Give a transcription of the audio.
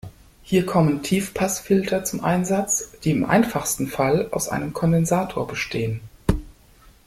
Hier kommen Tiefpassfilter zum Einsatz, die im einfachsten Fall aus einem Kondensator bestehen.